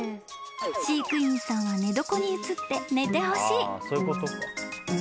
［飼育員さんは寝床に移って寝てほしい］